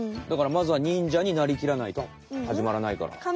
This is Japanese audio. だからまずは忍者になりきらないとはじまらないから。